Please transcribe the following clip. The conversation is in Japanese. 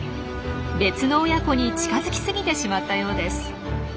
別の親子に近づきすぎてしまったようです。